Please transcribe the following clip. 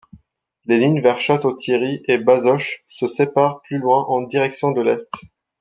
Les lignes vers Château-Thierry et Bazoches se séparent plus loin en direction de l'est.